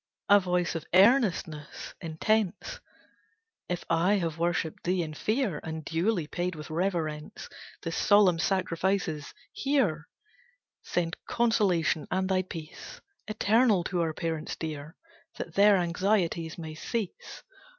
A voice of earnestness intense, "If I have worshipped Thee in fear And duly paid with reverence The solemn sacrifices, hear! Send consolation, and thy peace Eternal, to our parents dear, That their anxieties may cease.